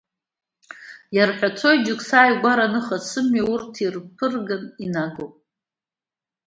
Иарҳәацәоит шьоук сааигәара аныха, сымҩа урҭ ирԥырганы инагоуп.